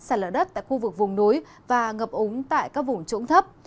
xảy ra lở đất tại khu vực vùng núi và ngập ống tại các vùng trũng thấp